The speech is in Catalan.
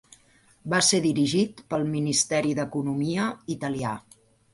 Va ser dirigit pel Ministeri d'Economia italià.